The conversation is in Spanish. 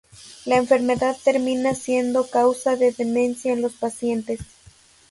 La enfermedad termina siendo causa de demencia en los pacientes.